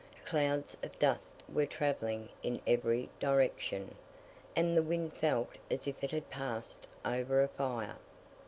Clouds of dust were travelling in every direction; and the wind felt as if it had passed over a fire.